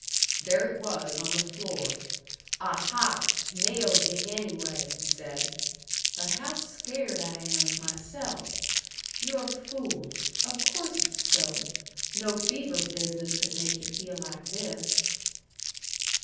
There it was on the floor. "Aha! nailed you anyway!" he said. "But how scared I am of myself! You're a fool. Of course it's so. No fever business could make yu' feel like this."